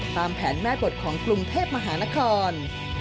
ตามแผนแม่บทของกรุงเทพมหานคร